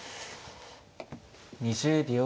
２０秒。